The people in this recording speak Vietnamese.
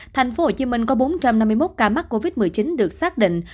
thành phố hồ chí minh có bốn trăm năm mươi một ca mắc covid một mươi chín được xác định